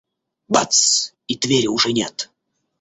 Бац! И двери уже нет.